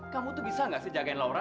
kamu tuh bisa nggak sih jagain laura